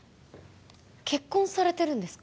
結婚されてるんですか？